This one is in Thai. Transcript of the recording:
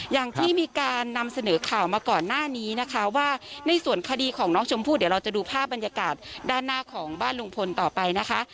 อย่างที่มีการนำเสนอข่าวมาก่อนหน้านี้นะคะว่าในส่วนคดีของน้องชมพู่เดี๋ยวเราจะดูภาพบรรยากาศด้านหน้าของบ้านลุงพลต่อไปนะคะ